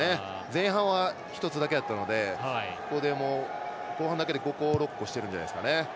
前半は１つだけだったので後半だけで５個、６個してるんじゃないですかね。